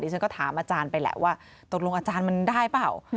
ฉันก็ถามอาจารย์ไปแหละว่าตกลงอาจารย์มันได้เปล่า